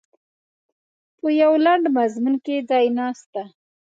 په یوه لنډ مضمون کې ځای نسته.